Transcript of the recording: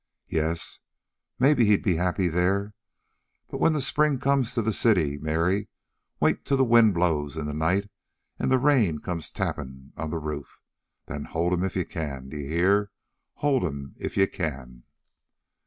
"Yes maybe he'd be happy there. But when the spring comes to the city, Mary, wait till the wind blows in the night and the rain comes tappin' on the roof. Then hold him if you can. D'ye hear? Hold him if you can!"